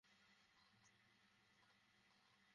হ্যাঁ, কিন্তু তুমি আমার নাম কিভাবে জানলে?